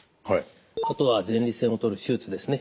あとは前立腺を取る手術ですね。